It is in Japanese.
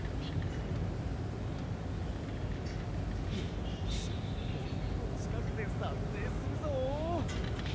よしもっとちかくでさつえいするぞ！